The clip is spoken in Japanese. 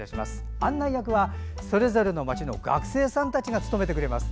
案内役はそれぞれの街の学生さんたちが務めてくれます。